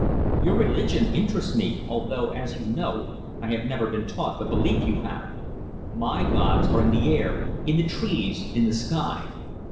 Your religion interests me, although, as you know, I have never been taught the belief you have. My gods are in the air, in the trees, in the sky.